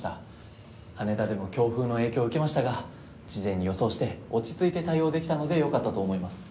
羽田でも強風の影響を受けましたが事前に予想して落ち着いて対応できたのでよかったと思います。